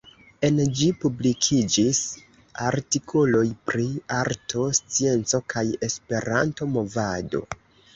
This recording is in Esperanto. En ĝi publikiĝis artikoloj pri arto, scienco kaj esperanto-movado.